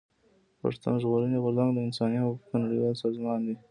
پښتون ژغورني غورځنګ د انساني حقوقو نړيوال سازمان دی.